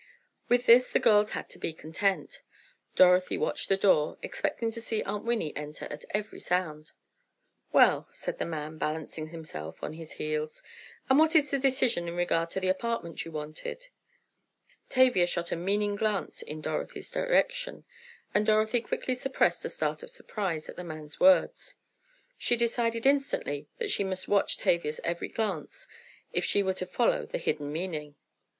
With this the girls had to be content. Dorothy watched the door, expecting to see Aunt Winnie enter at every sound. "Well," said the man, balancing himself on his heels, "and what is the decision in regard to the apartment you wanted?" Tavia shot a meaning glance in Dorothy's direction and Dorothy quickly suppressed a start of surprise at the man's words. She decided instantly that she must watch Tavia's every glance, if she were to follow the hidden meaning.